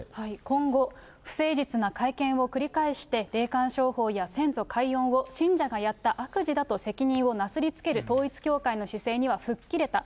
今後、不誠実な会見を繰り返して、霊感商法や先祖解怨を信者がやった悪事だと責任をなすりつける統一教会の姿勢には吹っ切れた。